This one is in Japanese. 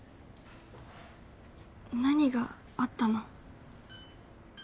何があったの？